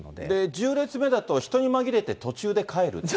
１０列目だと、人に紛れて途中で帰るっていう。